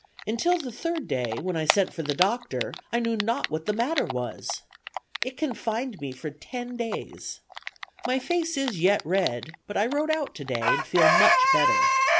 Until the third day, when I sent for the doctor, I knew not what the matter was. It confined me for ten days. My face is yet red; but I rode out today, and feel much better.